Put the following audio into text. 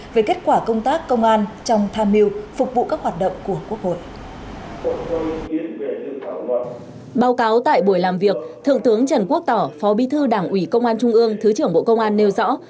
báo cáo tại buổi làm việc thượng tướng trần quốc tỏ phó bi thư đảng ủy công an trung ương thứ trưởng bộ công an nêu rõ